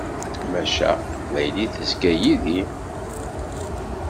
Maca, Taqbaylit tezga yid-i.